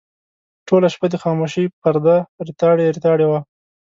ټوله شپه د خاموشۍ پرده ریتاړې ریتاړې وه.